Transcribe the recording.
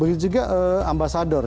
begitu juga ambasador